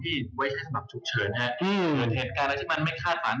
ก็ได้ความเป็นป้องข้างหน้าและการการ